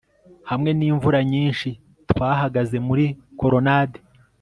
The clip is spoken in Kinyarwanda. Hamwe nimvura nyinshi twahagaze muri colonade